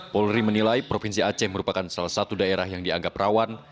polri menilai provinsi aceh merupakan salah satu daerah yang dianggap rawan